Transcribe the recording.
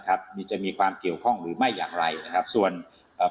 ครับมีจะมีความเกี่ยวข้องหรือไม่อย่างไรนะครับส่วนเอ่อ